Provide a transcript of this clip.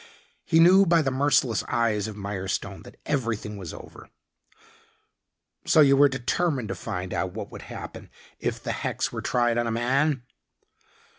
He knew by the merciless eyes of Mirestone that everything was over. "So, you were determined to find out what would happen if the hex were tried on a man?"